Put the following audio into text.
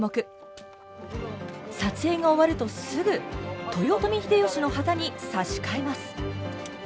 撮影が終わるとすぐ豊臣秀吉の旗に差し替えます。